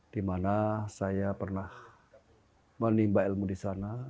di mana saya pernah menimba ilmu di sana